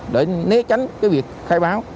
để né tránh việc khai báo